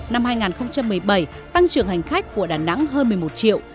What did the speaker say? năm hai nghìn một mươi bảy tăng trưởng hành khách của đà nẵng hơn một mươi một triệu